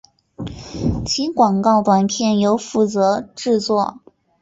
其广告短片由负责制作。